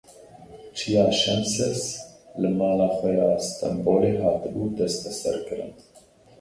Çiya Şenses li mala xwe ya li Stenbolê hatibû desteserkirin.